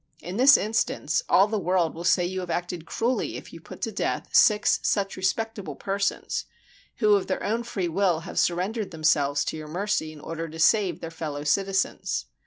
In this instance, all the world will say you have acted cruelly if you put to death six such respectable persons, who, of their own free will, have surrendered themselves to your mercy in order to save their fellow citizens."